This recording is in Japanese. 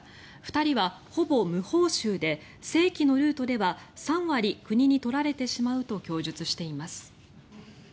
２人は、ほぼ無報酬で正規のルートでは３割国に取られてしまうと供述しています。